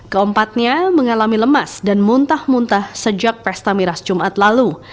keempatnya mengalami lemas dan muntah muntah sejak pesta miras jumat lalu